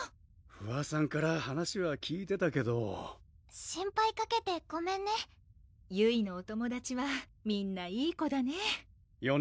芙羽さんから話は聞いてたけど心配かけてごめんねゆいのお友達はみんないい子だねよね